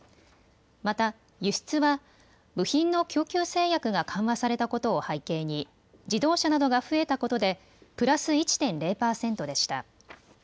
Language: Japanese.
また輸出は部品の供給制約が緩和されたことを背景に自動車などが増えたことでプラス１．０％でした。